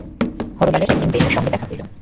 হরলালের একদিন বেণুর সঙ্গে দেখা হইল।